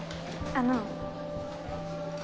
あの。